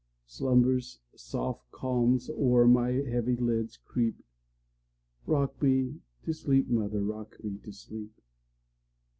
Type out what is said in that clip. Slumber's soft calms o'er my heavy lids creep;—Rock me to sleep, mother,—rock me to sleep!